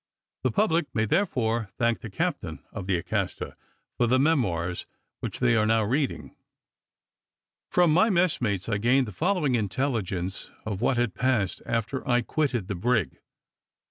The public may therefore thank the captain of the Acasta for the memoirs which they are now reading. From my messmates I gained the following intelligence of what had passed after I had quitted the brig.